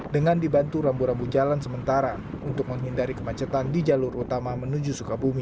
dengan dibantu rambu rambu jalan sementara untuk menghindari kemacetan di jalur utama menuju sukabumi